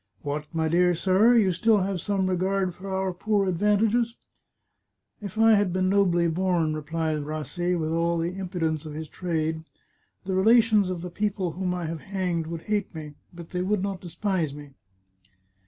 " What, my dear sir ! You still have some regard for our poor advantages ?"" If I had been nobly born," replied Rassi, with all the impudence of his trade, " the relations of the people whom I have hanged would hate me, but they would not de spise me."